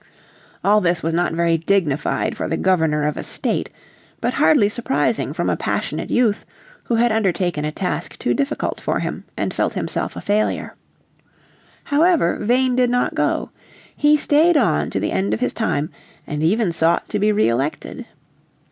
All this was not very dignified for the Governor of a state, but hardly surprising from a passionate youth who had undertaken a task too difficult for him, and felt himself a failure. However Vane did not go. He stayed on to the end of his time, and even sought to be re elected.